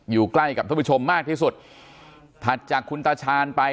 อยู่ใกล้กับท่านผู้ชมมากที่สุดถัดจากคุณตาชาญไป